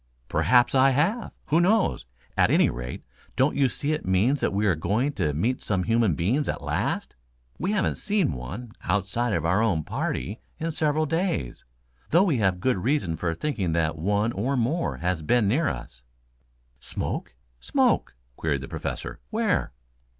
"Perhaps I have. Who knows? At any rate, don't you see it means we are going to meet some human beings at last? We haven't seen one, outside of our own party, in several days, though we have good reason for thinking that one or more has been near us." "Smoke, smoke?" queried the Professor. "Where?"